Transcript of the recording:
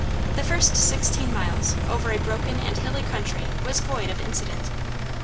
The first sixteen miles, over a broken and hilly country, was void of incident.